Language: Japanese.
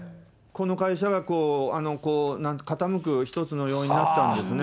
この会社が傾く１つの要因になったんですね。